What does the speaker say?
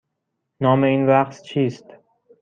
نام این رقص چیست؟